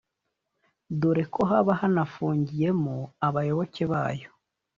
dore ko haba hanafungiyemo abayoboke bayo